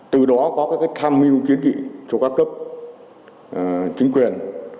từ đó có các tham mưu kiến nghị cho các cấp chính quyền